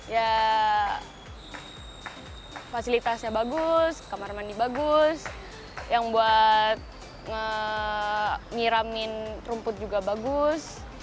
ya fasilitasnya bagus kamar mandi bagus yang buat nyiramin rumput juga bagus